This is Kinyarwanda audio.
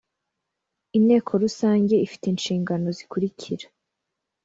Inteko Rusange ifite inshingano zikurikira